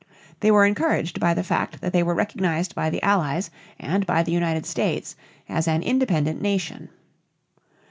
They were encouraged by the fact that they were recognized by the Allies and by the United States as an independent nation.